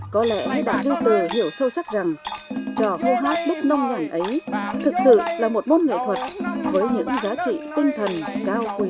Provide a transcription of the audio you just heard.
có lẽ bạn duy tử hiểu sâu sắc rằng trò hô hát lúc nông nhẳng ấy thực sự là một môn nghệ thuật với những giá trị tinh thần cao quý